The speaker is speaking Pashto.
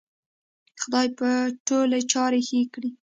خدای به ټولې چارې ښې کړې